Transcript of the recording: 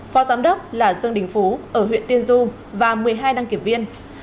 phó giám đốc là dương đình phú ở huyện tiên du và một mươi hai đăng kiểm viên